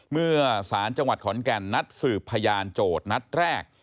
เมื่อสารจังหวัดขอนแก่นนัดสืบพยานโจทย์นัดแรก